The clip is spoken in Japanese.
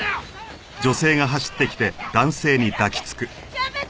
やめて！